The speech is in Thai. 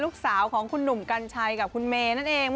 ลูกสาวของคุณหนุ่มกัญชัยกับคุณเมย์นั่นเอง